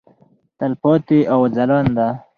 تلپاتې او ځلانده.